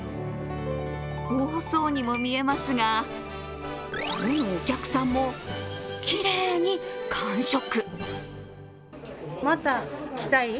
多そうにも見えますがどのお客さんも、きれいに完食。